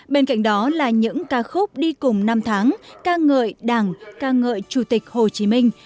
bên cạnh đó là những ca khúc đi cùng năm tháng ca ngợi đảng ca ngợi chủ tịch hồ chí minh